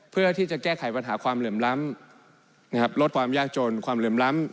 เพื่อที่จะแก้ไขปัญหาความเหลื่อมล้ำนะครับลดความยากจนความเหลื่อมล้ำ